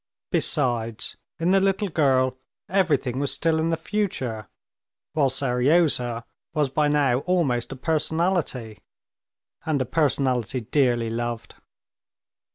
Besides, in the little girl everything was still in the future, while Seryozha was by now almost a personality, and a personality dearly loved.